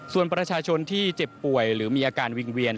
ส่วนประชาชนที่เจ็บป่วยหรือมีอาการวิงเวียน